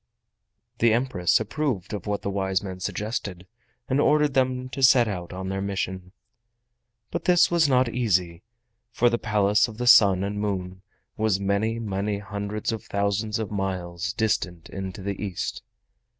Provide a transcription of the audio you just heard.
The Empress approved of what the wise men suggested, and ordered them to set out on their mission. But this was not easy, for the Palace of the Sun and Moon was many, many hundreds of thousands of miles distant into the East.